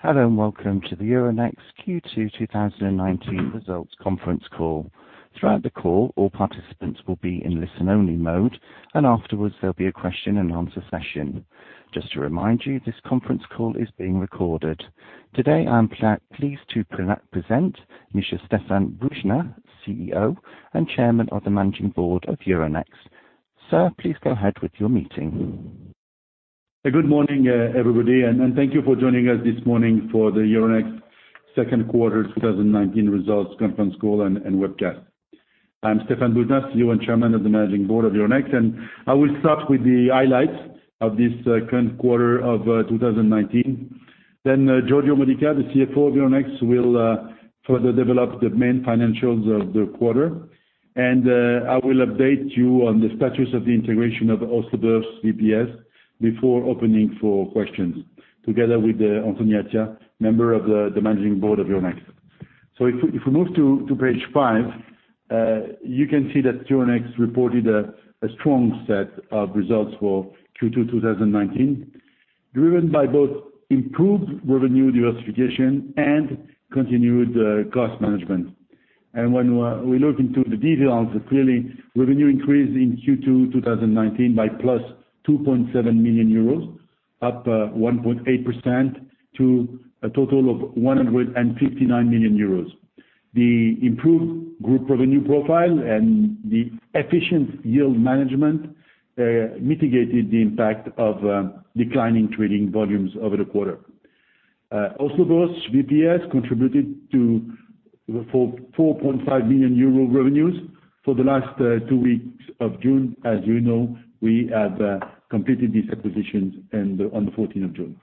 Hello, welcome to the Euronext Q2 2019 results conference call. Throughout the call, all participants will be in listen-only mode, and afterwards there'll be a question and answer session. Just to remind you, this conference call is being recorded. Today, I am pleased to present Monsieur Stéphane Boujnah, CEO and Chairman of the Managing Board of Euronext. Sir, please go ahead with your meeting. Good morning, everybody, and thank you for joining us this morning for the Euronext second quarter 2019 results conference call and webcast. I'm Stéphane Boujnah, CEO and Chairman of the Managing Board of Euronext, and I will start with the highlights of this current quarter of 2019. Giorgio Modica, the CFO of Euronext, will further develop the main financials of the quarter, and I will update you on the status of the integration of Oslo Børs VPS before opening for questions together with Anthony Attia, Member of the Managing Board of Euronext. If we move to page five, you can see that Euronext reported a strong set of results for Q2 2019, driven by both improved revenue diversification and continued cost management. When we look into the details, clearly revenue increased in Q2 2019 by +2.7 million euros, up 1.8% to a total of 159 million euros. The improved group revenue profile and the efficient yield management mitigated the impact of declining trading volumes over the quarter. Oslo Børs VPS contributed 4.5 million euro revenues for the last two weeks of June. As you know, we have completed these acquisitions on the 14th of June.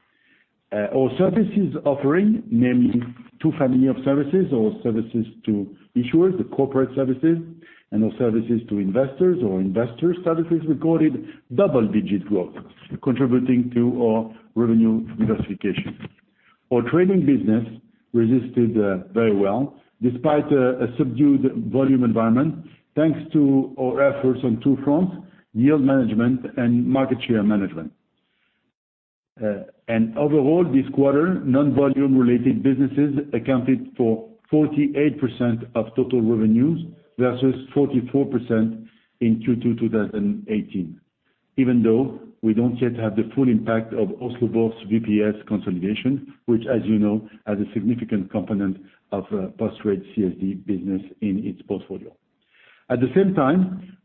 Our services offering, namely two family of services or services to issuers, the corporate services and our services to investors or investor services, recorded double-digit growth, contributing to our revenue diversification. Our trading business resisted very well despite a subdued volume environment, thanks to our efforts on two fronts: yield management and market share management. Overall, this quarter, non-volume related businesses accounted for 48% of total revenues versus 44% in Q2 2018. Even though we don't yet have the full impact of Oslo Børs VPS consolidation, which, as you know, has a significant component of post-trade CSD business in its portfolio.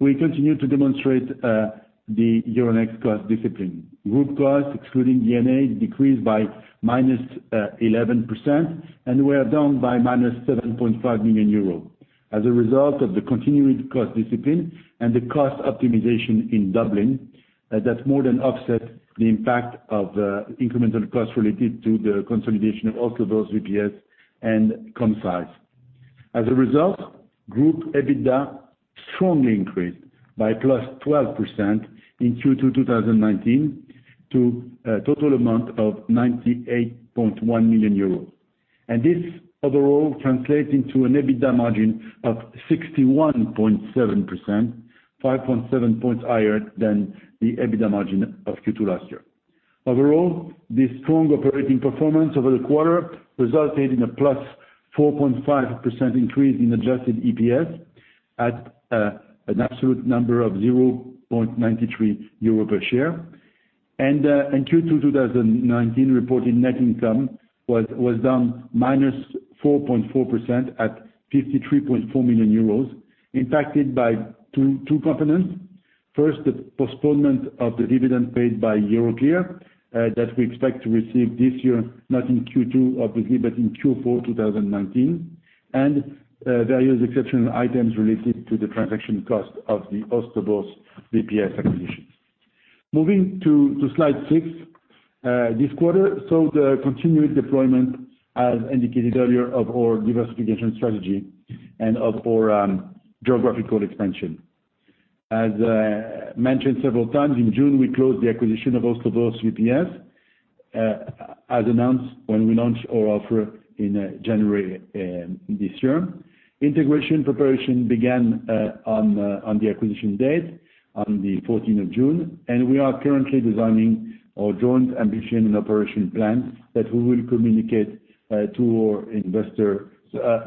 We continue to demonstrate the Euronext cost discipline. Group costs, excluding D&A, decreased by -11% and were down by -7.5 million euros. The continued cost discipline and the cost optimization in Dublin, that more than offset the impact of incremental costs related to the consolidation of Oslo Børs VPS and InsiderLog. Group EBITDA strongly increased by +12% in Q2 2019 to a total amount of 98.1 million euros. This overall translates into an EBITDA margin of 61.7%, 5.7 points higher than the EBITDA margin of Q2 last year. Overall, this strong operating performance over the quarter resulted in a +4.5% increase in adjusted EPS at an absolute number of 0.93 euro per share. In Q2 2019, reported net income was down -4.4% at 53.4 million euros, impacted by two components. First, the postponement of the dividend paid by Euroclear that we expect to receive this year, not in Q2, obviously, but in Q4 2019, and various exceptional items related to the transaction cost of the Oslo Børs VPS acquisition. Moving to slide six. This quarter saw the continued deployment, as indicated earlier, of our diversification strategy and of our geographical expansion. As mentioned several times, in June, we closed the acquisition of Oslo Børs VPS, as announced when we launched our offer in January this year. Integration preparation began on the acquisition date on the 14th of June, we are currently designing our joint ambition and operation plan that we will communicate to our investor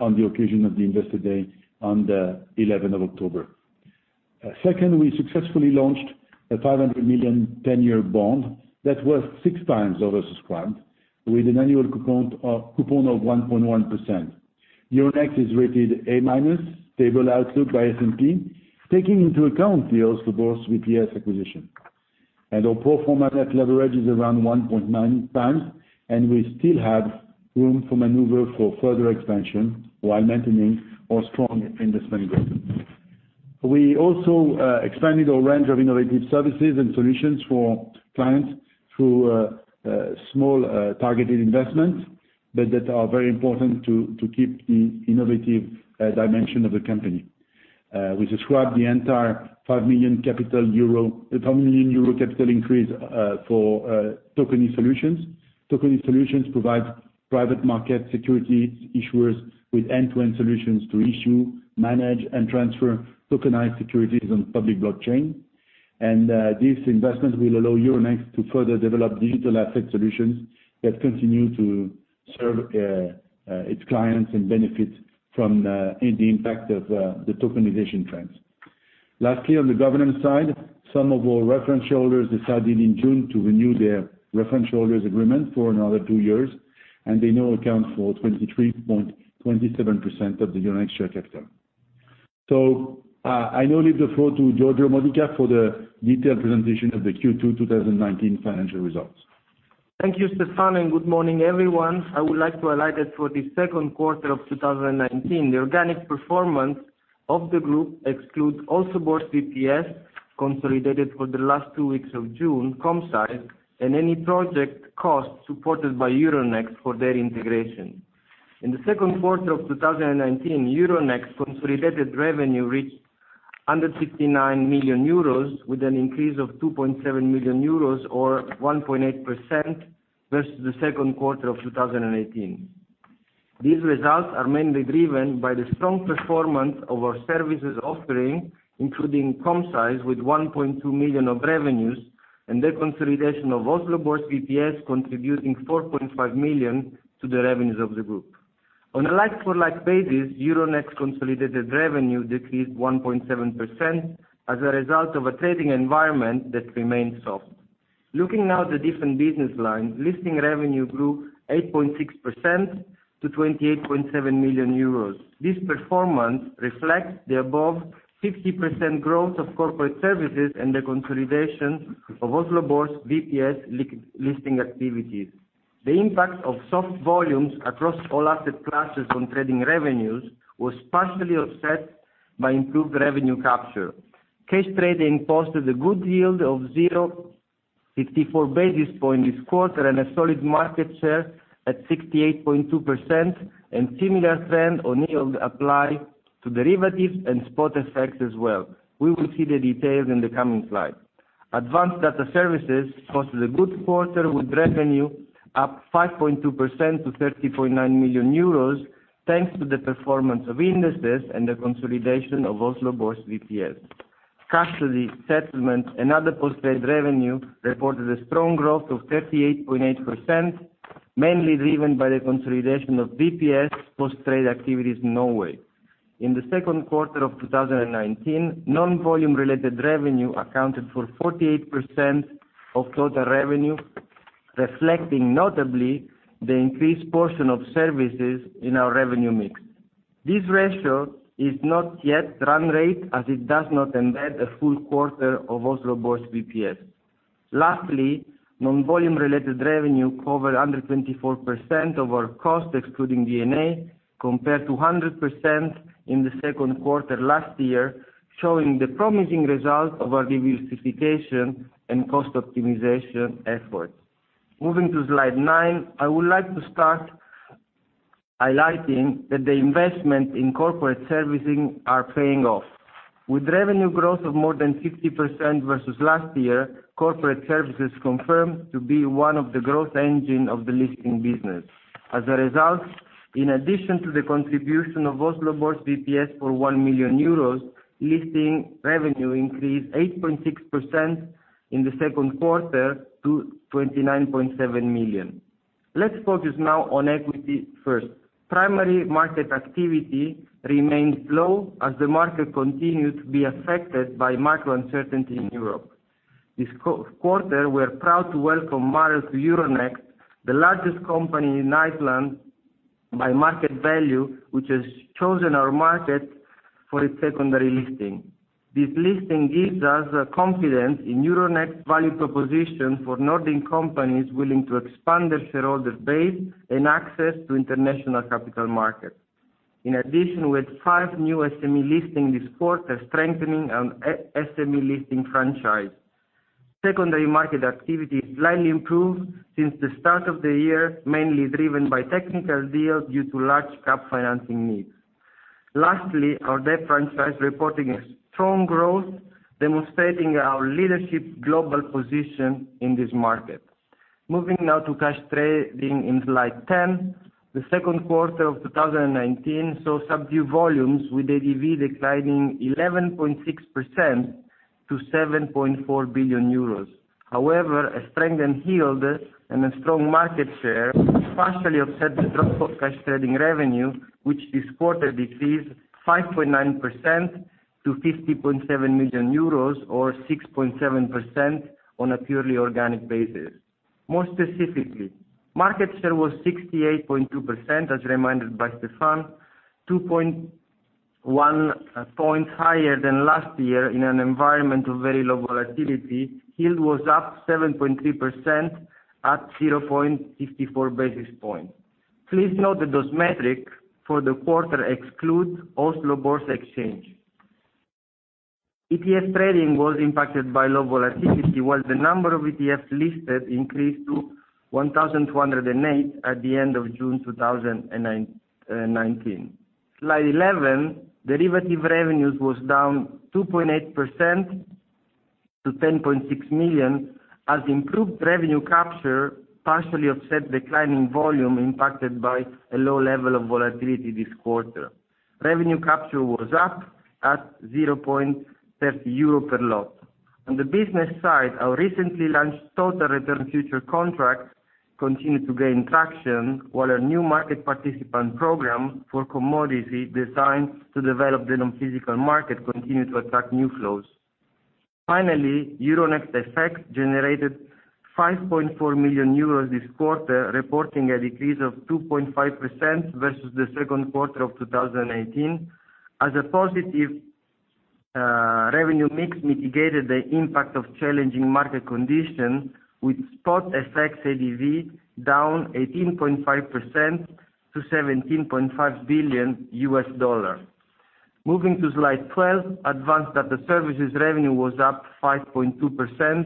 on the occasion of the Investor Day on the 11th of October. Second, we successfully launched a 500 million 10-year bond that was six times oversubscribed with an annual coupon of 1.1%. Euronext is rated A-, stable outlook by S&P, taking into account the Oslo Børs VPS acquisition. Our pro forma net leverage is around 1.9 times, and we still have room to maneuver for further expansion while maintaining our strong industry position. We also expanded our range of innovative services and solutions for clients through small targeted investments that are very important to keep the innovative dimension of the company. We described the entire 5 million euro capital increase for Tokeny Solutions. Tokeny Solutions provides private market securities issuers with end-to-end solutions to issue, manage, and transfer tokenized securities on public blockchain. This investment will allow Euronext to further develop digital asset solutions that continue to serve its clients and benefit from the impact of the tokenization trends. Lastly, on the governance side, some of our reference holders decided in June to renew their reference holders agreement for another two years, and they now account for 23.27% of the Euronext share capital. I now leave the floor to Giorgio Modica for the detailed presentation of the Q2 2019 financial results. Thank you, Stéphane, and good morning, everyone. I would like to highlight that for the second quarter of 2019, the organic performance of the group excludes Oslo Børs VPS, consolidated for the last two weeks of June, Commcise, and any project costs supported by Euronext for their integration. In the second quarter of 2019, Euronext consolidated revenue reached 169 million euros, with an increase of 2.7 million euros or 1.8% versus the second quarter of 2018. These results are mainly driven by the strong performance of our services offering, including Commcise, with 1.2 million of revenues and the consolidation of Oslo Børs VPS contributing 4.5 million to the revenues of the group. On a like-for-like basis, Euronext consolidated revenue decreased 1.7% as a result of a trading environment that remains soft. Looking now at the different business lines, listing revenue grew 8.6% to 28.7 million euros. This performance reflects the above 50% growth of corporate services and the consolidation of Oslo Børs VPS listing activities. The impact of soft volumes across all asset classes on trading revenues was partially offset by improved revenue capture. Case trading posted a good yield of 0.54 basis points this quarter and a solid market share at 68.2%, and similar trend on yield apply to derivatives and spot FX as well. We will see the details in the coming slide. Advanced data services posted a good quarter with revenue up 5.2% to 30.9 million euros, thanks to the performance of indices and the consolidation of Oslo Børs VPS. Cash settlement and other post trade revenue reported a strong growth of 38.8%, mainly driven by the consolidation of VPS post trade activities in Norway. In the second quarter of 2019, non-volume related revenue accounted for 48% of total revenue, reflecting notably the increased portion of services in our revenue mix. This ratio is not yet run rate as it does not embed a full quarter of Oslo Børs VPS. Lastly, non-volume related revenue covered 124% of our cost, excluding D&A, compared to 100% in the second quarter last year, showing the promising result of our diversification and cost optimization effort. Moving to slide nine, I would like to start highlighting that the investment in corporate servicing are paying off. With revenue growth of more than 50% versus last year, corporate services confirmed to be one of the growth engine of the listing business. As a result, in addition to the contribution of Oslo Børs VPS for 1 million euros, listing revenue increased 8.6% in the second quarter to 29.7 million. Let's focus now on equity first. Primary market activity remained low as the market continued to be affected by macro uncertainty in Europe. This quarter, we're proud to welcome Marel to Euronext, the largest company in Iceland by market value, which has chosen our market for its secondary listing. This listing gives us confidence in Euronext value proposition for Nordic companies willing to expand their shareholder base and access to international capital markets. In addition, we had five new SME listings this quarter, strengthening our SME listing franchise. Secondary market activity slightly improved since the start of the year, mainly driven by technical deals due to large cap financing needs. Lastly, our debt franchise reporting a strong growth, demonstrating our leadership global position in this market. Moving now to cash trading in slide 10, the second quarter of 2019 saw subdued volumes with ADV declining 11.6% to 7.4 billion euros. A strengthened yield and a strong market share partially offset the drop of cash trading revenue, which this quarter decreased 5.9% to 50.7 million euros, or 6.7% on a purely organic basis. More specifically, market share was 68.2%, as reminded by Stéphane, 2.1 points higher than last year in an environment of very low volatility. Yield was up 7.3% at 0.54 basis point. Please note that those metric for the quarter exclude Oslo Børs exchange. ETF trading was impacted by low volatility, while the number of ETFs listed increased to 1,208 at the end of June 2019. Slide 11, derivative revenues was down 2.8% to 10.6 million as improved revenue capture partially offset declining volume impacted by a low level of volatility this quarter. Revenue capture was up at 0.30 euro per lot. On the business side, our recently launched Total Return Futures contract continued to gain traction, while a new market participant program for commodity designed to develop the non-physical market continued to attract new flows. Finally, Euronext FX generated 5.4 million euros this quarter, reporting a decrease of 2.5% versus the second quarter of 2018. As a positive, revenue mix mitigated the impact of challenging market conditions with spot FX ADV down 18.5% to $17.5 billion USD. Moving to Slide 12, advanced data services revenue was up 5.2%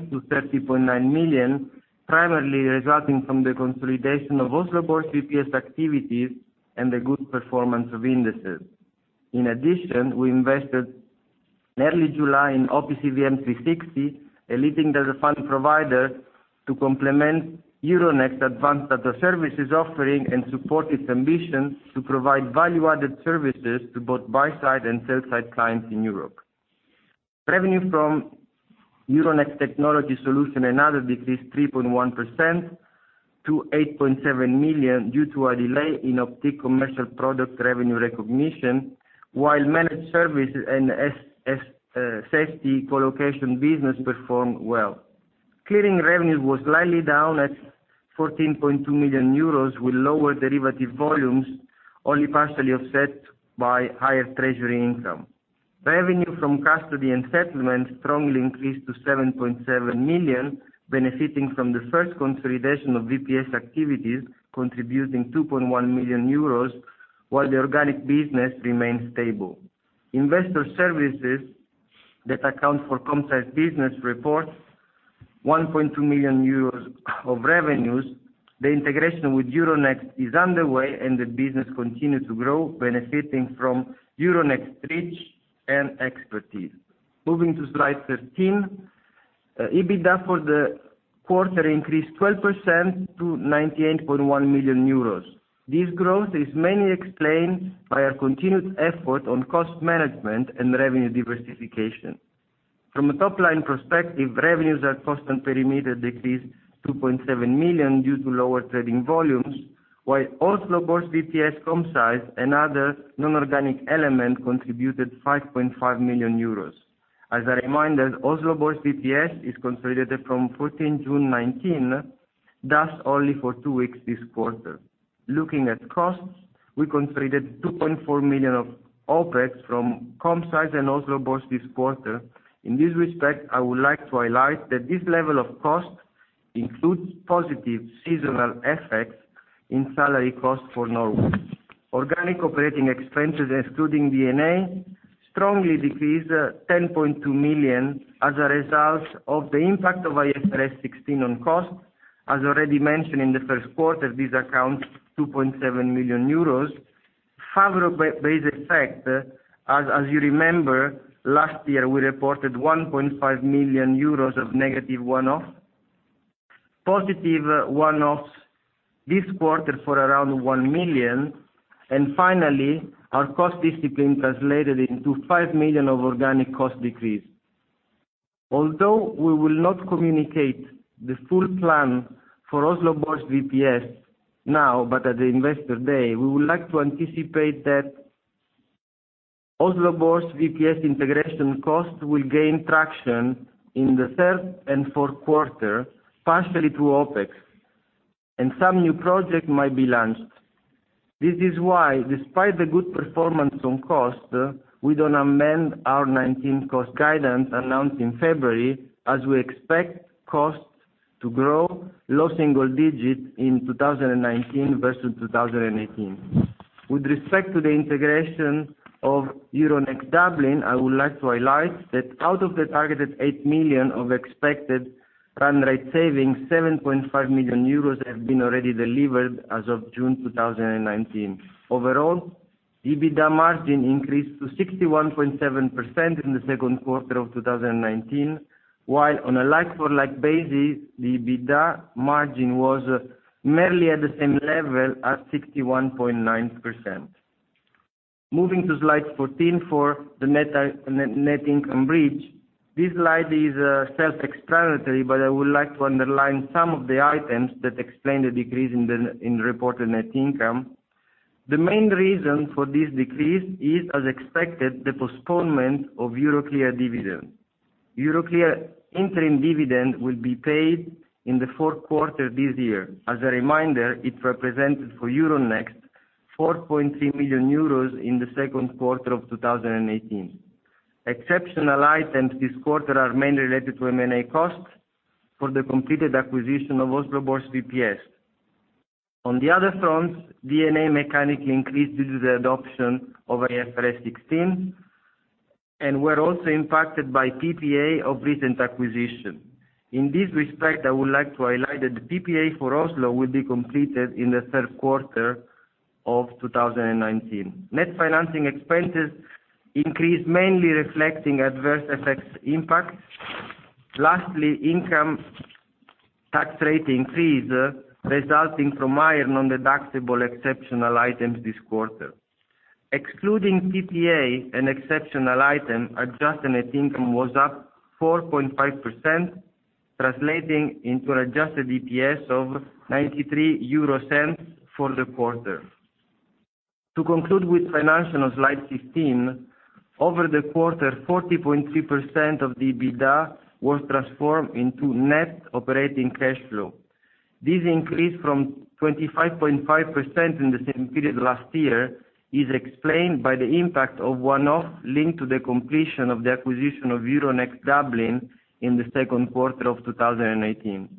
to 30.9 million, primarily resulting from the consolidation of Oslo Børs VPS activities and the good performance of indices. In addition, we invested in early July in OPCVM 360, a leading data fund provider, to complement Euronext advanced data services offering and support its ambition to provide value-added services to both buy-side and sell-side clients in Europe. Revenue from Euronext technology solution and other decreased 3.1% to 8.7 million due to a delay in Optiq commercial product revenue recognition, while managed services and safety colocation business performed well. Clearing revenue was slightly down at 14.2 million euros with lower derivative volumes, only partially offset by higher treasury income. Revenue from custody and settlement strongly increased to 7.7 million, benefiting from the first consolidation of VPS activities, contributing 2.1 million euros, while the organic business remained stable. Investor services that account for InsiderLog business reports, 1.2 million euros of revenues. The integration with Euronext is underway, and the business continues to grow, benefiting from Euronext's reach and expertise. Moving to Slide 13. EBITDA for the quarter increased 12% to 98.1 million euros. This growth is mainly explained by our continued effort on cost management and revenue diversification. From a top-line perspective, revenues at constant perimeter decreased 2.7 million due to lower trading volumes, while Oslo Børs VPS, Commcise, and other non-organic elements contributed €5.5 million. As a reminder, Oslo Børs VPS is consolidated from 14 June 2019, thus only for two weeks this quarter. Looking at costs, we consolidated 2.4 million of OpEx from Commcise and Oslo Børs this quarter. In this respect, I would like to highlight that this level of cost includes positive seasonal effects in salary costs for Norway. Organic operating expenses, excluding D&A, strongly decreased 10.2 million as a result of the impact of IFRS 16 on costs. As already mentioned in the first quarter, this accounts €2.7 million. Favorable base effect, as you remember, last year, we reported €1.5 million of negative one-offs. Positive one-offs this quarter for around 1 million. Finally, our cost discipline translated into 5 million of organic cost decrease. Although we will not communicate the full plan for Oslo Børs VPS now, but at the investor day, we would like to anticipate that Oslo Børs VPS integration costs will gain traction in the third and fourth quarter, partially through OpEx, and some new projects might be launched. This is why, despite the good performance on cost, we don't amend our 2019 cost guidance announced in February, as we expect costs to grow low single digits in 2019 versus 2018. With respect to the integration of Euronext Dublin, I would like to highlight that out of the targeted 8 million of expected run rate savings, 7.5 million euros have been already delivered as of June 2019. Overall, EBITDA margin increased to 61.7% in the second quarter of 2019, while on a like-for-like basis, the EBITDA margin was merely at the same level at 61.9%. Moving to Slide 14 for the net income bridge. This slide is self-explanatory, but I would like to underline some of the items that explain the decrease in reported net income. The main reason for this decrease is, as expected, the postponement of Euroclear dividend. Euroclear interim dividend will be paid in the fourth quarter this year. As a reminder, it represented for Euronext €4.3 million in the second quarter of 2018. Exceptional items this quarter are mainly related to M&A costs for the completed acquisition of Oslo Børs VPS. On the other fronts, D&A mechanically increased due to the adoption of IFRS 16, and we're also impacted by PPA of recent acquisition. In this respect, I would like to highlight that the PPA for Oslo will be completed in the third quarter of 2019. Net financing expenses increased, mainly reflecting adverse effects impact. Lastly, income tax rate increase resulting from higher non-deductible exceptional items this quarter. Excluding PPA and exceptional item, adjusted net income was up 4.5%, translating into adjusted EPS of 0.93 for the quarter. To conclude with financials, slide 15. Over the quarter, 40.3% of the EBITDA was transformed into net operating cash flow. This increase from 25.5% in the same period last year is explained by the impact of one-off linked to the completion of the acquisition of Euronext Dublin in the second quarter of 2018.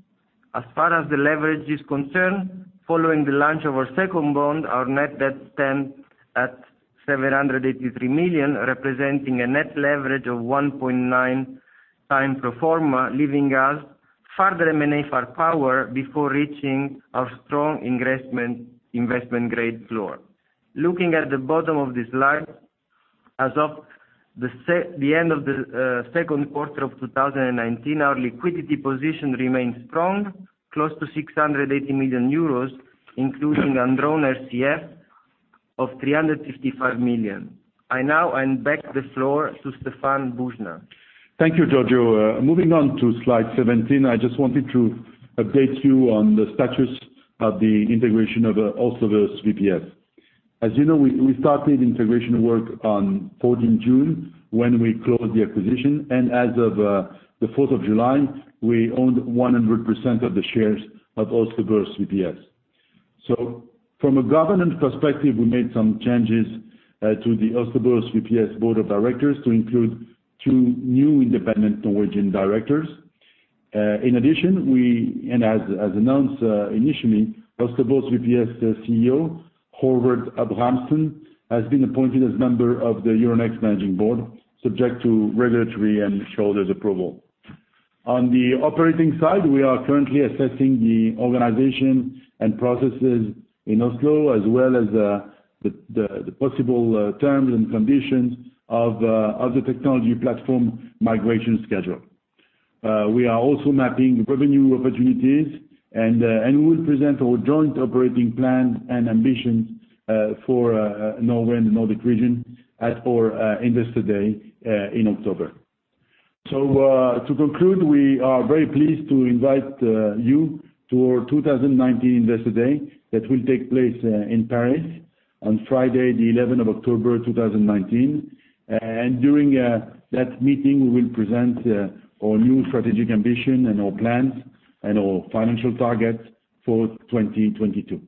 As far as the leverage is concerned, following the launch of our second bond, our net debt stands at 783 million, representing a net leverage of 1.9 times pro forma, leaving us further M&A firepower before reaching our strong investment grade floor. Looking at the bottom of the slide, as of the end of the second quarter of 2019, our liquidity position remains strong, close to 680 million euros, including undrawn RCF of 355 million. I now hand back the floor to Stéphane Boujnah. Thank you, Giorgio. Moving on to slide 17. I just wanted to update you on the status of the integration of Oslo Børs VPS. As you know, we started the integration work on 14 June, when we closed the acquisition, and as of the 4th of July, we owned 100% of the shares of Oslo Børs VPS. From a governance perspective, we made some changes to the Oslo Børs VPS board of directors to include two new independent Norwegian directors. In addition, we, and as announced initially, Oslo Børs VPS CEO, Håvard Abrahamsen, has been appointed as member of the Euronext Management Board, subject to regulatory and shareholders' approval. On the operating side, we are currently assessing the organization and processes in Oslo, as well as the possible terms and conditions of the technology platform migration schedule. We are also mapping revenue opportunities, we will present our joint operating plan and ambition for Norway and the Nordic region at our Investor Day in October. To conclude, we are very pleased to invite you to our 2019 Investor Day that will take place in Paris on Friday the 11th of October 2019, during that meeting, we will present our new strategic ambition and our plans and our financial targets for 2022.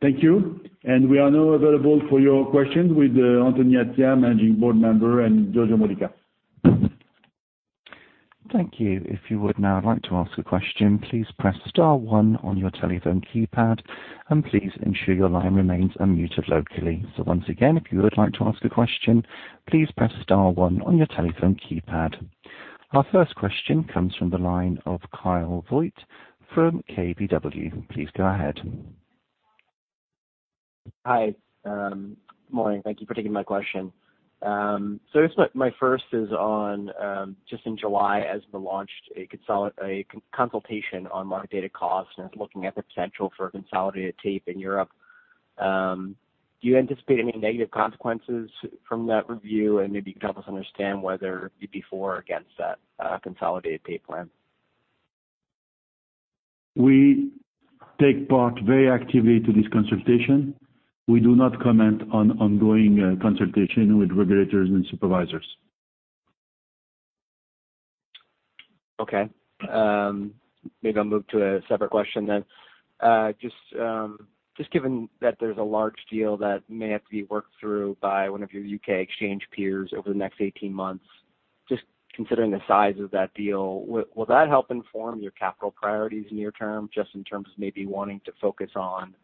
Thank you, we are now available for your questions with Anthony Attia, Managing Board Member, and Giorgio Modica. Thank you. If you would now like to ask a question, please press star one on your telephone keypad, and please ensure your line remains unmuted locally. Once again, if you would like to ask a question, please press star one on your telephone keypad. Our first question comes from the line of Kyle Voigt from KBW. Please go ahead. Hi. Good morning. Thank you for taking my question. Just in July, ESMA launched a consultation on market data costs and is looking at the potential for a consolidated tape in Europe. Do you anticipate any negative consequences from that review? Maybe you can help us understand whether you're before or against that consolidated tape plan. We take part very actively to this consultation. We do not comment on ongoing consultation with regulators and supervisors. Okay. Maybe I'll move to a separate question then. Just given that there's a large deal that may have to be worked through by one of your U.K. exchange peers over the next 18 months, just considering the size of that deal, will that help inform your capital priorities near-term, just in terms of maybe wanting to focus on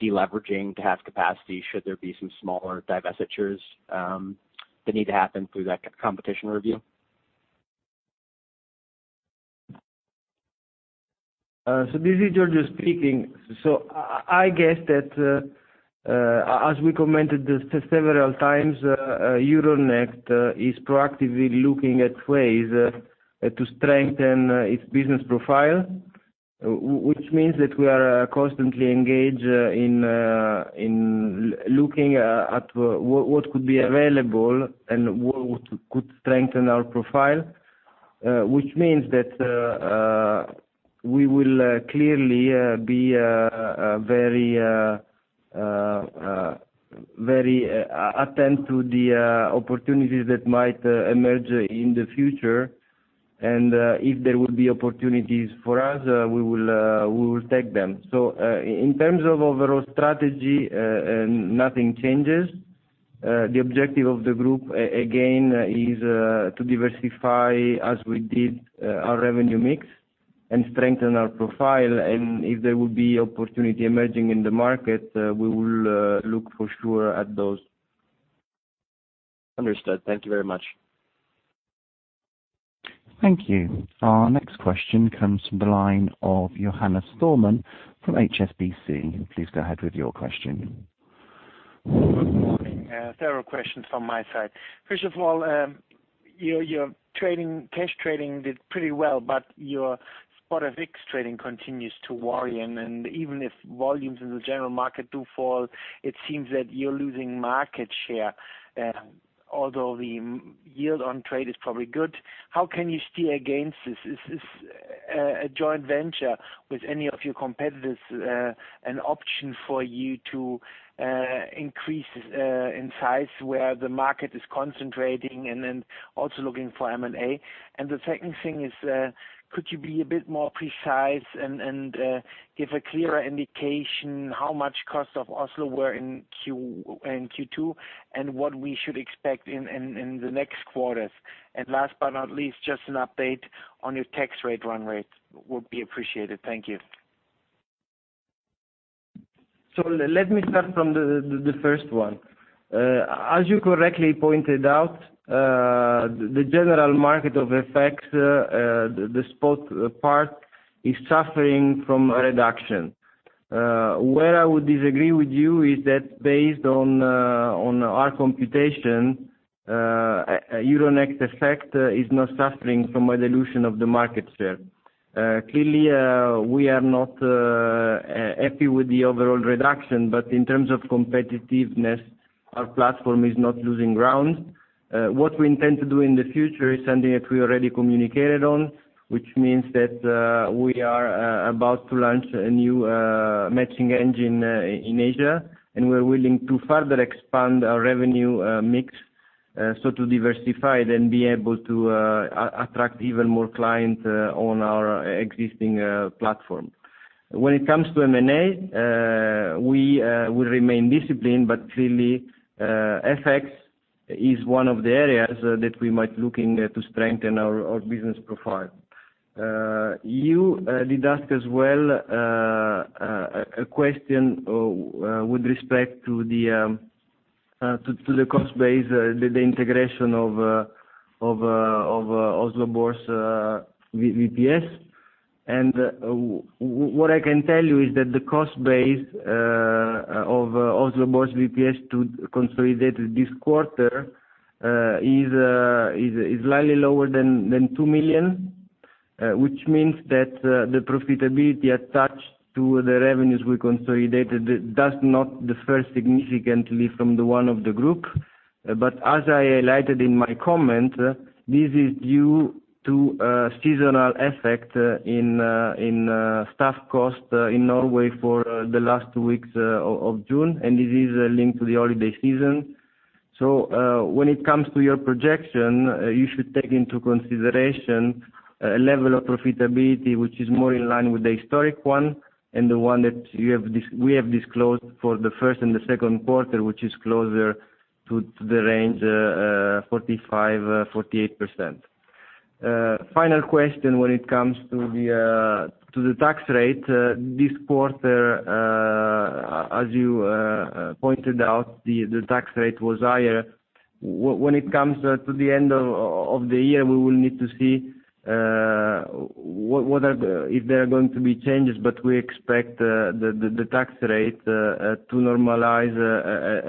de-leveraging to have capacity should there be some smaller divestitures that need to happen through that competition review? This is Giorgio speaking. I guess that, as we commented several times, Euronext is proactively looking at ways to strengthen its business profile, which means that we are constantly engaged in looking at what could be available and what could strengthen our profile, which means that we will clearly be very attentive to the opportunities that might emerge in the future. If there will be opportunities for us, we will take them. In terms of overall strategy, nothing changes. The objective of the group, again, is to diversify, as we did, our revenue mix and strengthen our profile. If there will be opportunity emerging in the market, we will look for sure at those. Understood. Thank you very much. Thank you. Our next question comes from the line of Johannes Thormann from HSBC. Please go ahead with your question. Good morning. Several questions from my side. First of all, your cash trading did pretty well. Your spot FX trading continues to worry. Even if volumes in the general market do fall, it seems that you're losing market share, although the yield on trade is probably good. How can you steer against this? Is this a joint venture with any of your competitors, an option for you to increase in size where the market is concentrating, then also looking for M&A? The second thing is, could you be a bit more precise and give a clearer indication how much cost of Oslo were in Q2, what we should expect in the next quarters? Last but not least, just an update on your tax rate run rate would be appreciated. Thank you. Let me start from the first one. As you correctly pointed out, the general market of FX, the spot part, is suffering from a reduction. Where I would disagree with you is that based on our computation, Euronext FX is not suffering from a dilution of the market share. Clearly, we are not happy with the overall reduction, but in terms of competitiveness, our platform is not losing ground. What we intend to do in the future is something that we already communicated on, which means that we are about to launch a new matching engine in Asia, and we're willing to further expand our revenue mix, so to diversify it and be able to attract even more clients on our existing platform. When it comes to M&A, we will remain disciplined, but clearly, FX is one of the areas that we might look in to strengthen our business profile. You did ask as well, a question with respect to the cost base, the integration of Oslo Børs VPS. What I can tell you is that the cost base of Oslo Børs VPS to consolidate this quarter is slightly lower than 2 million, which means that the profitability attached to the revenues we consolidated does not differ significantly from the one of the group. As I highlighted in my comment, this is due to a seasonal effect in staff cost in Norway for the last two weeks of June, and it is linked to the holiday season. When it comes to your projection, you should take into consideration a level of profitability which is more in line with the historic one and the one that we have disclosed for the first and the second quarter, which is closer to the range 45%-48%. Final question when it comes to the tax rate. This quarter, as you pointed out, the tax rate was higher. When it comes to the end of the year, we will need to see if there are going to be changes. We expect the tax rate to normalize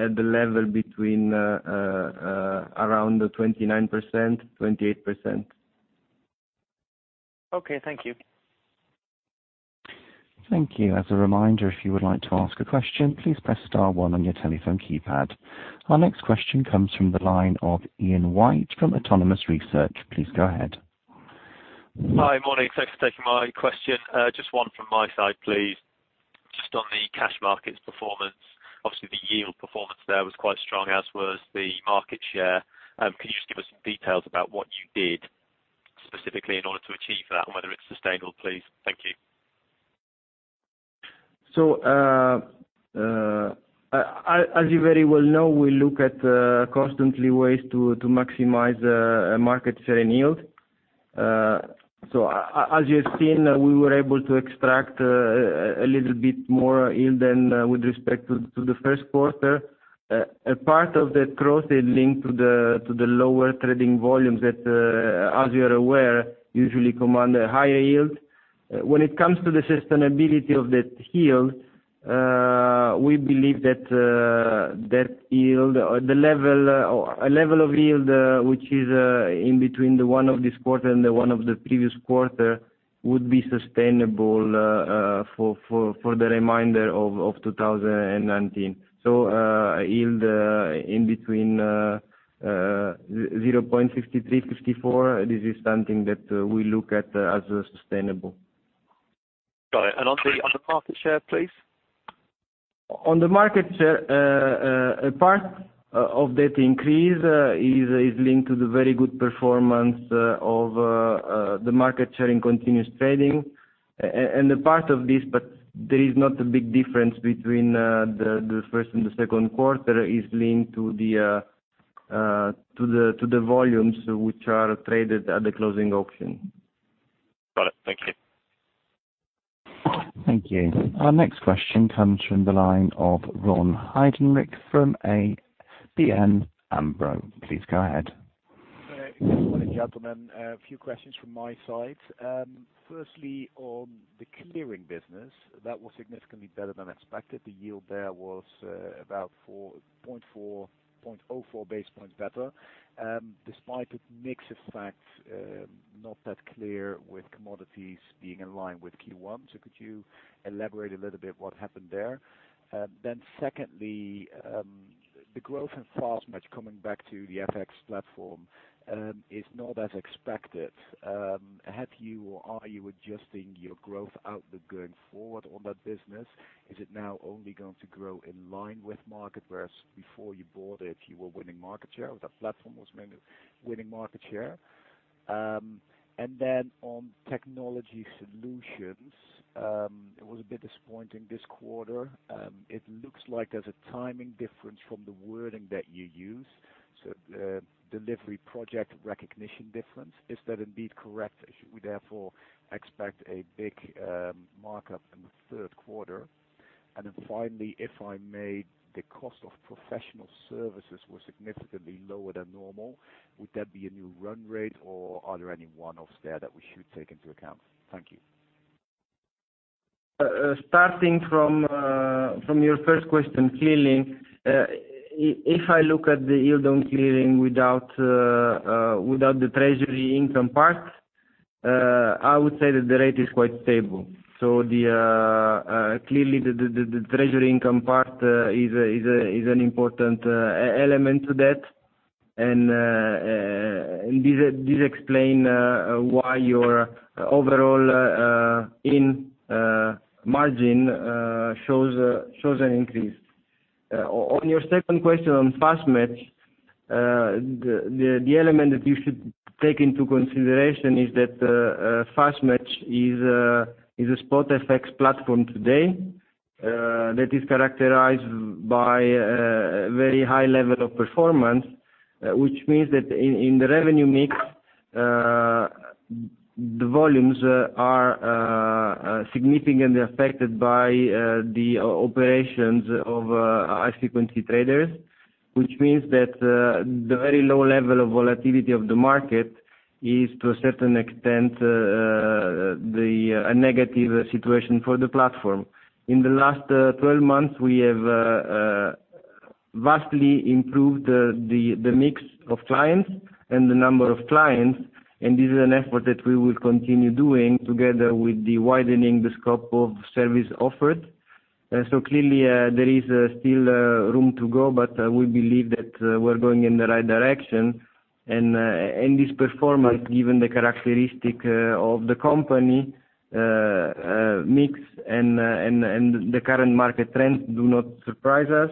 at the level between around 29%-28%. Okay. Thank you. Thank you. As a reminder, if you would like to ask a question, please press star one on your telephone keypad. Our next question comes from the line of Ian White from Autonomous Research. Please go ahead. Hi. Morning. Thanks for taking my question. Just one from my side, please. Just on the cash markets performance. Obviously, the yield performance there was quite strong, as was the market share. Can you just give us some details about what you did specifically in order to achieve that, and whether it's sustainable, please? Thank you. As you very well know, we look at constantly ways to maximize market share and yield. As you have seen, we were able to extract a little bit more yield with respect to the first quarter. A part of that growth is linked to the lower trading volumes that, as you are aware, usually command a higher yield. When it comes to the sustainability of that yield, we believe that a level of yield, which is in between the one of this quarter and the one of the previous quarter, would be sustainable for the remainder of 2019. Yield in between 0.53, 0.54. This is something that we look at as sustainable. Got it. On the market share, please? On the market share, a part of that increase is linked to the very good performance of the market share in continuous trading. A part of this, but there is not a big difference between the first and the second quarter, is linked to the volumes which are traded at the closing auction. Got it. Thank you. Thank you. Our next question comes from the line of Ron Heijdenrijk from ABN AMRO. Please go ahead. Good morning, gentlemen. A few questions from my side. Firstly, on the clearing business, that was significantly better than expected. The yield there was about 0.4 basis points better, despite the mix effect not that clear with commodities being in line with Q1. Could you elaborate a little bit what happened there? Secondly, the growth in FastMatch coming back to the FX platform, is not as expected. Have you or are you adjusting your growth outlook going forward on that business? Is it now only going to grow in line with market, whereas before you bought it, you were winning market share, or that platform was winning market share? On technology solutions, it was a bit disappointing this quarter. It looks like there's a timing difference from the wording that you use. Delivery project recognition difference, is that indeed correct? Should we therefore expect a big markup in the third quarter? Finally, if I may, the cost of professional services was significantly lower than normal. Would that be a new run rate, or are there any one-offs there that we should take into account? Thank you. Starting from your first question, clearly, if I look at the yield on clearing without the treasury income part, I would say that the rate is quite stable. Clearly, the treasury income part is an important element to that. This explains why your overall in margin shows an increase. On your second question on FastMatch, the element that you should take into consideration is that FastMatch is a spot FX platform today that is characterized by a very high level of performance, which means that in the revenue mix, the volumes are significantly affected by the operations of high-frequency traders, which means that the very low level of volatility of the market is, to a certain extent, a negative situation for the platform. In the last 12 months, we have vastly improved the mix of clients and the number of clients, and this is an effort that we will continue doing together with the widening the scope of service offered. Clearly, there is still room to go, but we believe that we're going in the right direction. This performance, given the characteristic of the company mix and the current market trends, do not surprise us.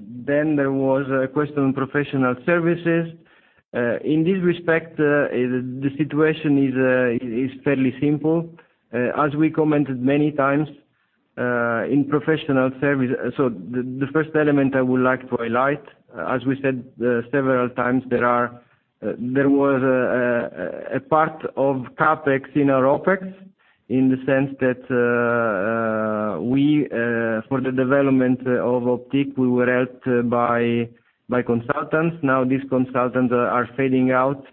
There was a question on professional services. In this respect, the situation is fairly simple. As we commented many times, the first element I would like to highlight, as we said several times, there was a part of CapEx in our OpEx, in the sense that for the development of Optiq, we were helped by consultants. Now these consultants are fading out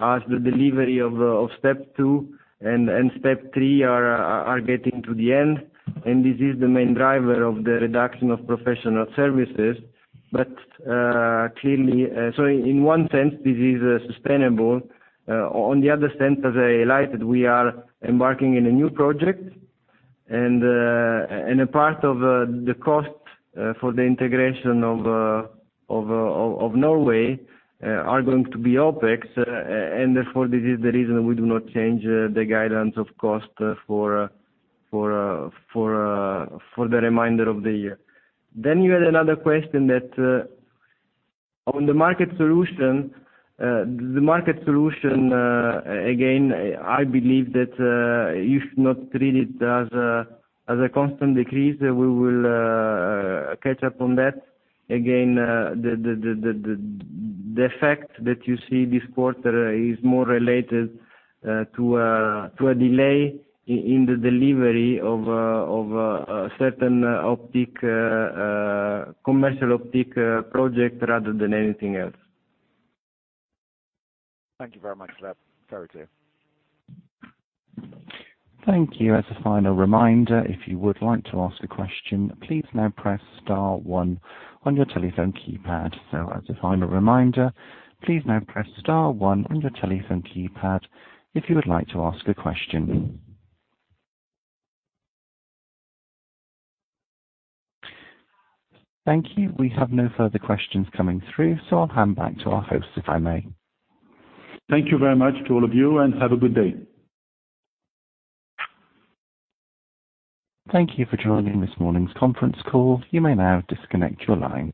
as the delivery of step 2 and step 3 are getting to the end. This is the main driver of the reduction of professional services. In one sense, this is sustainable. On the other sense, as I highlighted, we are embarking in a new project, and a part of the cost for the integration of Norway are going to be OpEx, and therefore, this is the reason we do not change the guidance of cost for the remainder of the year. You had another question that on the market solution. The market solution, again, I believe that you should not treat it as a constant decrease. We will catch up on that. Again, the effect that you see this quarter is more related to a delay in the delivery of a certain commercial Optiq project rather than anything else. Thank you very much for that. Very clear. Thank you. As a final reminder, if you would like to ask a question, please now press star one on your telephone keypad. As a final reminder, please now press star one on your telephone keypad if you would like to ask a question. Thank you. We have no further questions coming through, so I'll hand back to our host, if I may. Thank you very much to all of you, and have a good day. Thank you for joining this morning's conference call. You may now disconnect your line.